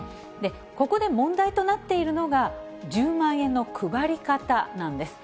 ここで問題となっているのが、１０万円の配り方なんです。